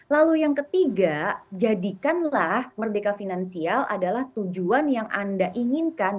lalu yang ketiga jadikanlah merdeka finansial adalah tujuan yang anda inginkan